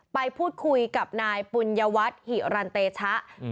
ไปพูดคุยกับนายปุญญวัฒน์ฮิรัณเตชะอืม